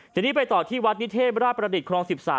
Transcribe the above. ทีนี้ไปต่อที่วัดนิเทพราชประดิษฐครอง๑๓